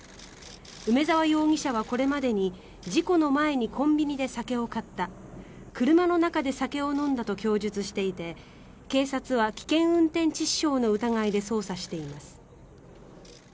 梅沢容疑者はこれまでに事故の前にコンビニで酒を買った車の中で酒を飲んだと供述していて警察は危険運転致死傷の疑いで捜査しています。